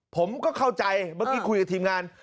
ผมก็เข้าใจเมื่อกี้คุยกับทีมงาน